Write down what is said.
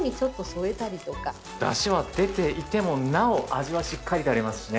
だしは出ていてもなお味はしっかりとありますしね。